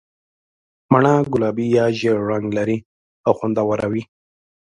مڼه ګلابي یا ژېړ رنګ لري او خوندوره وي.